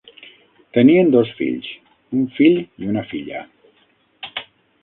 Tenien dos fills, un fill i una filla.